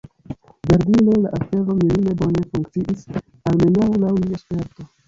Verdire la afero mirinde bone funkciis, almenaŭ laŭ mia sperto.